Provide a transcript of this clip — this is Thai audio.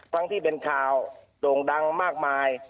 ทั้งที่เป็นข่าวโด่งดังมากมาย